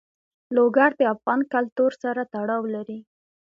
لوگر د افغان کلتور سره تړاو لري.